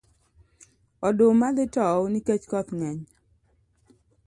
Oduma dhi tow nikech koth ngeny.